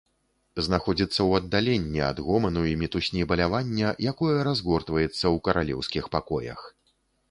Знаходзіцца ў аддаленні ад гоману і мітусні балявання, якое разгортваецца ў каралеўскіх пакоях.